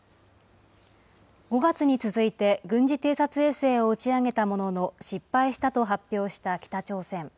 ５月に続いて軍事偵察衛星を打ち上げたものの、失敗したと発表した北朝鮮。